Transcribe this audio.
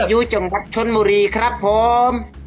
อยู่จังหวัดชนบุรีครับผม